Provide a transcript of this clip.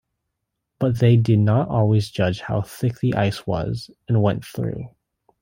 But they did not always judge how thick the ice was, and went through.